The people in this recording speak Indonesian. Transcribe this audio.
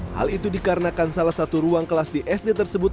hal itu dikarenakan salah satu ruang kelas di sd tersebut